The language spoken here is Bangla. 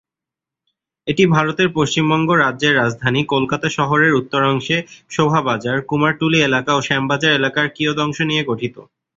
এটি ভারতের পশ্চিমবঙ্গ রাজ্যের রাজধানী কলকাতা শহরের উত্তরাংশে শোভাবাজার, কুমারটুলি এলাকা ও শ্যামবাজার এলাকার কিয়দংশ নিয়ে গঠিত।